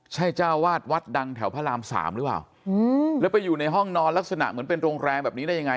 ใช่เจ้าวาดวัดดังแถวพระรามสามหรือเปล่าแล้วไปอยู่ในห้องนอนลักษณะเหมือนเป็นโรงแรมแบบนี้ได้ยังไง